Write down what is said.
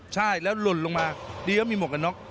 ใช่แล้วลนลงมาดี๊งว่ามีหมวกกับน็อต